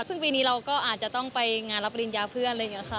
ซึ่งปีนี้เราก็อาจจะต้องไปงานรับปริญญาเพื่อนอะไรอย่างนี้ค่ะ